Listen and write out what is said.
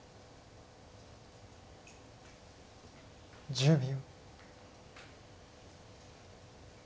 １０秒。